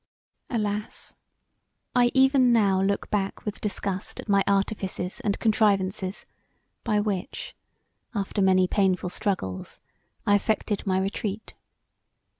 Alas! I even now look back with disgust at my artifices and contrivances by which, after many painful struggles, I effected my retreat.